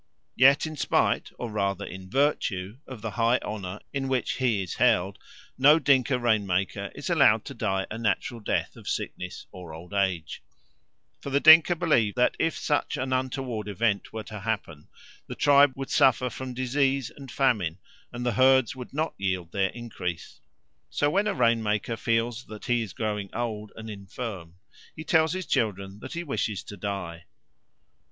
Yet in spite, or rather in virtue, of the high honour in which he is held, no Dinka rain maker is allowed to die a natural death of sickness or old age; for the Dinka believe that if such an untoward event were to happen, the tribe would suffer from disease and famine, and the herds would not yield their increase. So when a rain maker feels that he is growing old and infirm, he tells his children that he wishes to die.